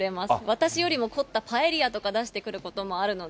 私よりも凝ったパエリアとか出してくることもあるので。